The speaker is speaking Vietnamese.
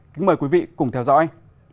kính mời quý vị cùng theo dõi